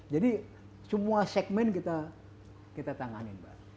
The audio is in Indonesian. jadi semua segmen kita tanganin